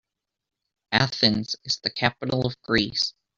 Athens is the capital of Greece.